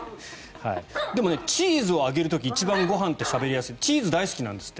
でも、チーズをあげる時に一番しゃべりやすくてチーズ大好きなんですって。